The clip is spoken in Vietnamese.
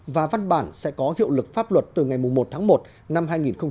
và văn bản sẽ có hiệu lực pháp luật từ ngày một tháng một năm hai nghìn hai mươi